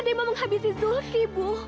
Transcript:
ada yang mau menghabisi zulki bu